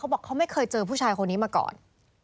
บอกเขาไม่เคยเจอผู้ชายคนนี้มาก่อน